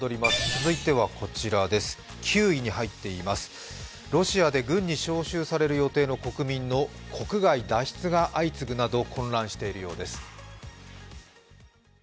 続いてはこちらです、９位に入っています、ロシアで軍に招集される予定の国民の国外脱出が相次ぐなど混乱しているようです。